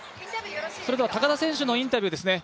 高田選手のインタビューですね。